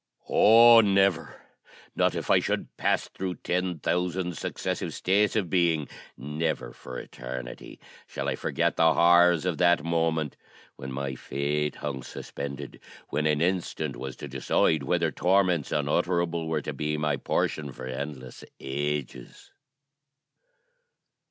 Oh! never not if I should pass through ten thousand successive states of being never, for eternity, shall I forget the horrors of that moment, when my fate hung suspended when an instant was to decide whether torments unutterable were to be my portion for endless ages!